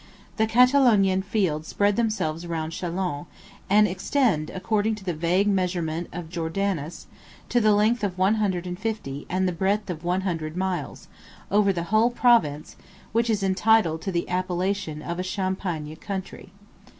The Catalaunian fields 41 spread themselves round Chalons, and extend, according to the vague measurement of Jornandes, to the length of one hundred and fifty, and the breadth of one hundred miles, over the whole province, which is entitled to the appellation of a champaign country.